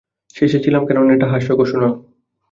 হেসেছিলাম কেননা এটা হাস্যকর শোনাল।